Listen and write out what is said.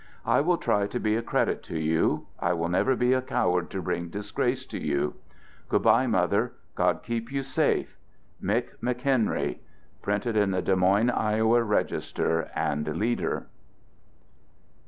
I will try to be a credit to you, I will never be a coward to bring disgrace to you. Good by, mother. God keep you safe. "Mick" McHbnry. — Printed in the Des Moines, Iowa, Register and Leader.